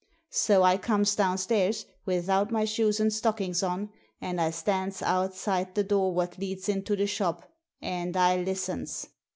* So I comes downstairs without my shoes and stockings on, and I stands outside the door what leads into the shop, and I listens.